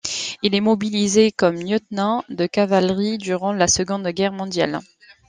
Il est mobilisé comme lieutenant de cavalerie durant la Seconde Guerre mondiale.